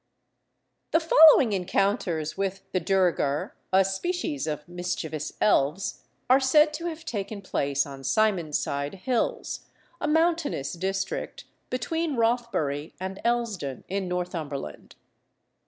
The following encounters with the duergar, a species of mischievous elves, are said to have taken place on Simonside Hills, a mountainous district between Rothbury and Elsdon in Northumberland.